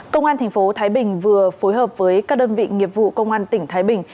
công an tp thái bình vừa phối hợp với các đơn vị nghiệp vụ công an tỉnh thái bình